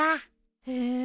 へえ。